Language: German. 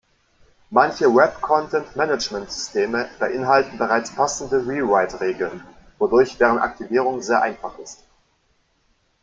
Manche Web-Content-Management-Systeme beinhalten bereits passende Rewrite-Regeln, wodurch deren Aktivierung sehr einfach ist.